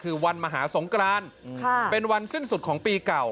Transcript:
คือวันมหาสงกรานเป็นวันสิ้นสุดของปีเก่า